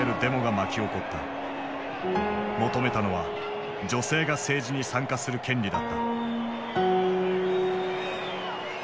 求めたのは女性が政治に参加する権利だった。